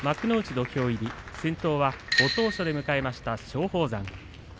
土俵入り先頭は、ご当所で迎えました松鳳山。